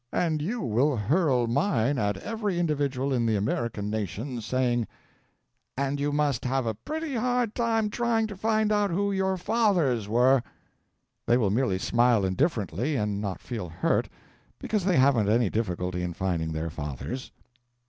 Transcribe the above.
And you will hurl mine at every individual in the American nation, saying: "And you must have a pretty hard time trying to find out who your fathers were." They will merely smile indifferently, and not feel hurt, because they haven't any difficulty in finding their fathers.